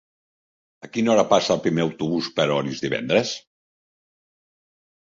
A quina hora passa el primer autobús per Orís divendres?